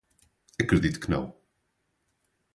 Acredito que não